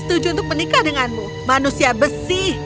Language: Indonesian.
setuju untuk menikah denganmu manusia besi